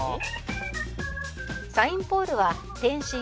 「サインポールは店主